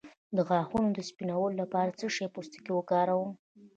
د غاښونو د سپینولو لپاره د څه شي پوستکی وکاروم؟